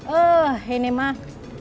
uh ini mah